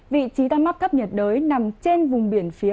vị trí đam mắc thấp nhiệt đới nằm trên vùng biển phía nam